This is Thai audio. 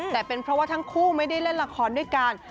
แต่เป็นเพราะว่าทั้งคู่ไม่ได้เล่นละครด้วยกัน